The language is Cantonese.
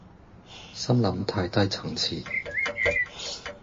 心諗太低層次